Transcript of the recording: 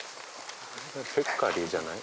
ペッカリーじゃない？